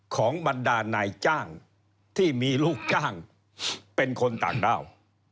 บรรดานายจ้างที่มีลูกจ้างเป็นคนต่างด้าว